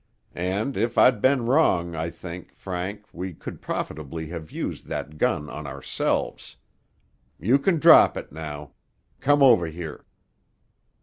And if I'd been wrong, I think, Frank, we could profitably have used that gun on ourselves. You can drop it, now. Come over here."